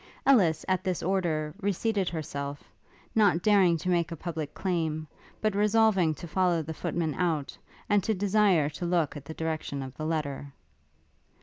Ellis, at this order, re seated herself, not daring to make a public claim, but resolving to follow the footman out, and to desire to look at the direction of the letter.